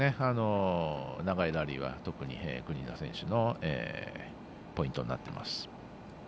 長いラリーは特に、国枝選手のポイント担っています。